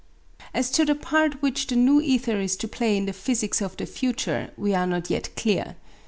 As to the part which the new ether is to play in the physics of the future we are not yet clear.